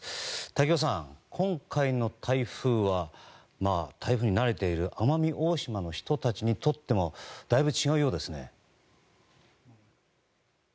瀧尾さん、今回の台風は台風に慣れている奄美大島の人たちにとってもだいぶ違うようですね。